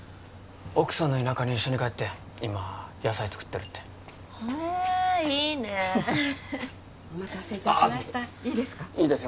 奥さんの田舎に一緒に帰って今野菜作ってるってへえいいねお待たせいたしましたいいですかいいですよ